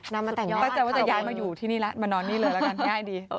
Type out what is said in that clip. ตั้งใจว่าจะย้ายมาอยู่ที่นี่แล้วมานอนนี่เลยละกันง่ายดี